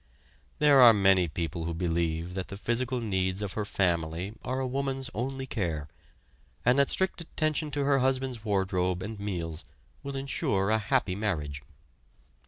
There are many people who believe that the physical needs of her family are a woman's only care; and that strict attention to her husband's wardrobe and meals will insure a happy marriage.